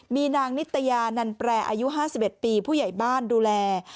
มีนางนิตยานันแปรอายุ๕๑ปีผู้ใหญ่บ้านดูแล